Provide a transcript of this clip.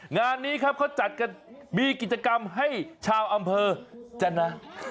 งานนี้ครับเขาจัดกันมีกิจกรรมให้ชาวอำเภอจนะ